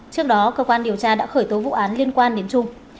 trước đó cơ quan điều tra đã khởi tố vụ án liên quan đến trung